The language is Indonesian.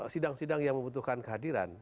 sidang sidang yang membutuhkan kehadiran